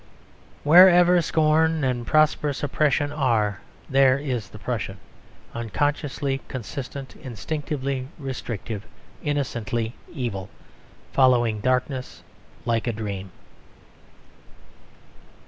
Wherever scorn and prosperous oppression are, there is the Prussian; unconsciously consistent, instinctively restrictive, innocently evil; "following darkness like a dream."